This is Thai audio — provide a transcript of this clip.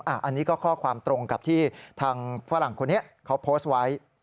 อันนี้ก็ข้อความตรงกับที่ทางฝรั่งคนนี้เขาโพสต์ไว้